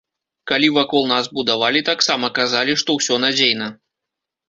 Калі вакол нас будавалі, таксама казалі, што ўсё надзейна.